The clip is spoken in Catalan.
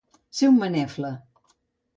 Ser un manefla.